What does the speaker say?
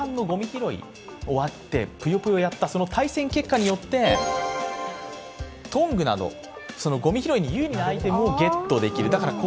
前半のごみ拾い、終わって「ぷよぷよ」をやった対戦結果によってトングなどごみ拾いで有利なアイテムを獲得できると。